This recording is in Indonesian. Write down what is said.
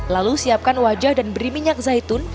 lalu siapkan wajah dan beri minyak zaitun